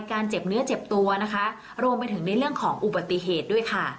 เจ็บเนื้อเจ็บตัวนะคะรวมไปถึงในเรื่องของอุบัติเหตุด้วยค่ะ